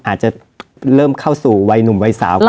อาจจะเริ่มเข้าสู่วัยหนุ่มวัยสาวก่อน